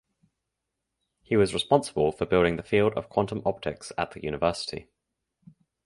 He was responsible for building the field of quantum optics at the University.